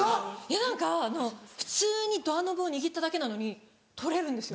何か普通にドアノブを握っただけなのに取れるんですよ。